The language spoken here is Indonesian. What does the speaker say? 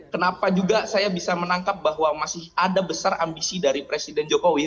kenapa juga saya bisa menangkap bahwa masih ada besar ambisi dari presiden jokowi